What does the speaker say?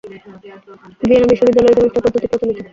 Vienna বিশ্ববিদ্যালয়ে semester পদ্ধতি প্রচলিত।